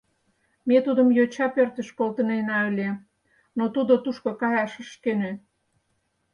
Ме тудым йоча пӧртыш колтынена ыле, но тудо тушко каяш ыш кӧнӧ.